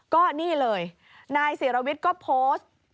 ก็นี่เลยนายศิรวิทย์ก็โพสต์